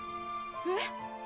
えっ！？